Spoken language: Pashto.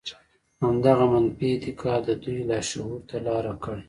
همدغه منفي اعتقاد د دوی لاشعور ته لاره کړې.